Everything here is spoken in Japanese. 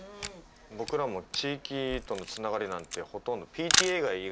僕らも地域とのつながりなんてほとんどＰＴＡ以外何もしてないよね。